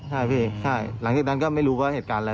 ใช่พี่ใช่หลังจากนั้นก็ไม่รู้ว่าเหตุการณ์อะไร